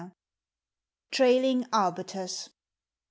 TRAILING ARBUTUS.